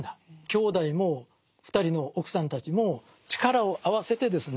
兄弟も２人の奥さんたちも力を合わせてですね